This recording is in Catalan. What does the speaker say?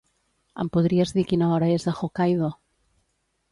Em podries dir quina hora és Hokkaido.